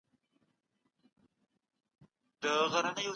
لويس د اقتصادي ودي پر ځای اقتصادي پرمختيا وليکله.